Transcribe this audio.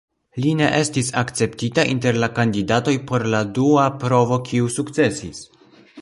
Li ne estis akceptita inter la kandidatoj por la dua provo, kiu sukcesis.